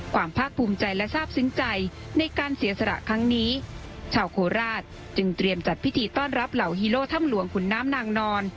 ภาคภูมิใจและทราบซึ้งใจในการเสียสละครั้งนี้ชาวโคราชจึงเตรียมจัดพิธีต้อนรับเหล่าฮีโร่ถ้ำหลวงขุนน้ำนางนอน